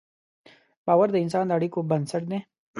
باور د انسان د اړیکو بنسټ دی.